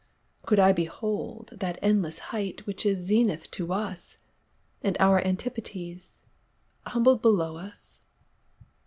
Could I behold that endlesse height which isZenith to us, and our Antipodes, Humbled below us?